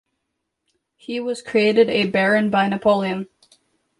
He was created a baron by Napoleon.